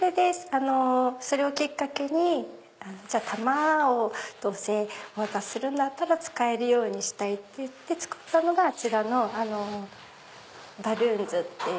それをきっかけに玉をお渡しするんだったら使えるようにしたいって作ったのがあちらのＢａｌｌｏｏｎｓっていう。